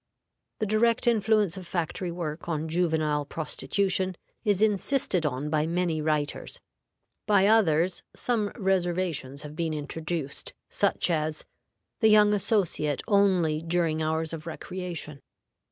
The direct influence of factory work on juvenile prostitution is insisted on by many writers; by others, some reservations have been introduced, such as, The young associate only during hours of recreation.